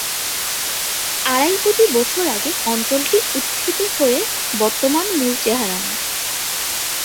আড়াই কোটি বছর আগে অঞ্চলটি উত্থিত হয়ে বর্তমান মূল চেহারা নেয়।